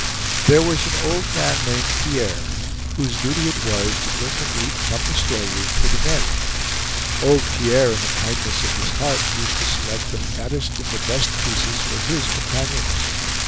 There was an old man named Pierre, whose duty it was to bring the meat from the storeroom for the men. Old Pierre, in the kindness of his heart, used to select the fattest and the best pieces for his companions.